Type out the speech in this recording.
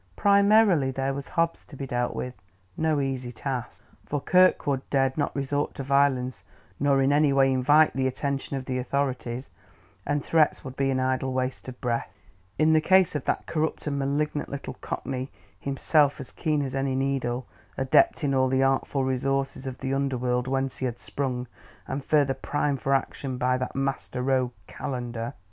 Primarily, there was Hobbs to be dealt with; no easy task, for Kirkwood dared not resort to violence nor in any way invite the attention of the authorities; and threats would be an idle waste of breath, in the case of that corrupt and malignant, little cockney, himself as keen as any needle, adept in all the artful resources of the underworld whence he had sprung, and further primed for action by that master rogue, Calendar.